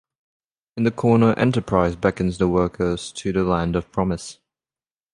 In the corner "Enterprise" beckons the workers to the Land of Promise.